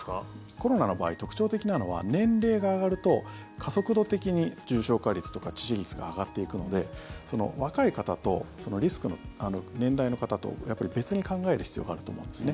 コロナの場合特徴的なのは、年齢が上がると加速度的に重症化率とか致死率が上がっていくので若い方と、リスクの年代の方と別に考える必要があると思うんですね。